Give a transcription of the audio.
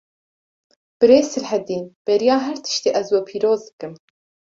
Birêz Silhedîn, beriya her tiştî ez we pîroz dikim